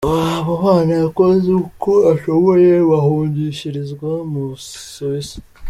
Abo bana yakoze uko ashoboye bahungishirizwa mu Busuwisi.